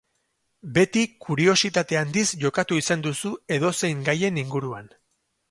Beti kuriositate handiz jokatu izan duzu edozein gaien inguruan.